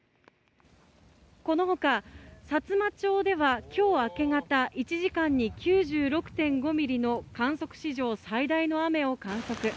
この他、さつま町では今日明け方１時間に９６．５ミリの観測史上最大の雨を観測。